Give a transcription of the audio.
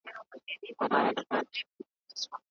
شاهرخ میرزا د احمد شاه بابا سره څنګه چلند وکړ؟